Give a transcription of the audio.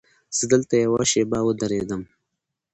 زه دلته یوه شېبه ودرېدم.